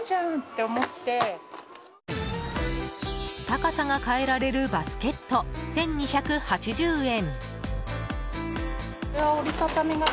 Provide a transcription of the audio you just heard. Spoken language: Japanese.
高さが変えられるバスケット１２８０円。